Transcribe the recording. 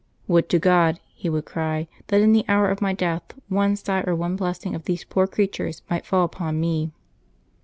'^" Would to God/' he would cry, " that in the hour of my death one sigh or one blessing of these poor creatures might fall upon me